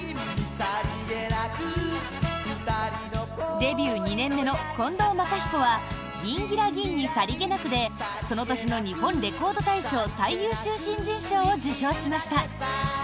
デビュー２年目の近藤真彦は「ギンギラギンにさりげなく」でその年の日本レコード大賞最優秀新人賞を受賞しました。